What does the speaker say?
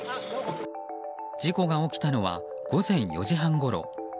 事故が起きたのは午前４時半ごろ。